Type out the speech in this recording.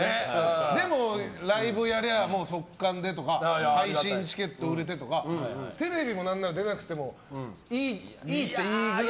でもライブをやりゃ即完でとか配信チケット売れてとかテレビ、何なら出なくてもいいっちゃいいくらい。